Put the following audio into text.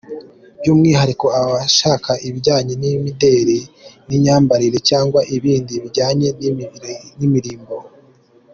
By; umwihariko aba ashaka ibijyanye n’imideli n’imyambarire cyangwa ibindi bijyanye n’imirimbo.